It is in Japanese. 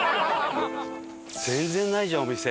全然ないじゃんお店。